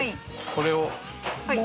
これを。